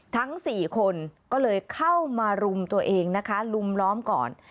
ทั้ง๔คนก็เลยเข้ามารุมตัวเองนะคะลุมล้อมก่อน